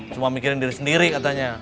cuma mikirin diri sendiri katanya